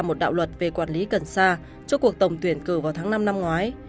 một đạo luật về quản lý cần xa trước cuộc tổng tuyển cử vào tháng năm năm ngoái